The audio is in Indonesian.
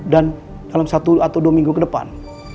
dan dalam satu atau dua minggu ke depan